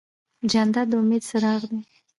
جانداد د امید څراغ دی.